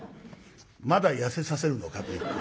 まだ痩せさせるのかと言って。